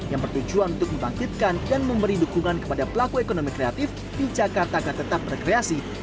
yang bertujuan untuk membangkitkan dan memberi dukungan kepada pelaku ekonomi kreatif di jakarta agar tetap berkreasi